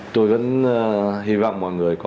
tôi vẫn hy vọng mọi người có